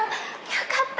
よかった！